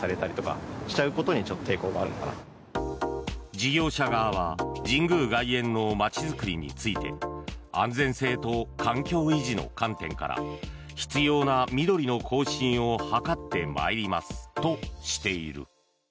事業者側は神宮外苑の街づくりについて安全性と環境維持の観点から必要な緑の更新を図ってまいりますとしている。